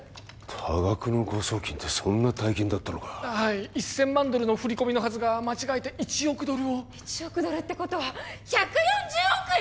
多額の誤送金ってそんな大金だったのかはい１千万ドルの振り込みのはずが間違えて１億ドルを１億ドルってことは１４０億円！？